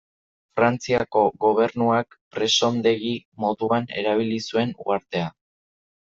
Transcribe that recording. Frantziako Gobernuak presondegi moduan erabili zuen uhartea.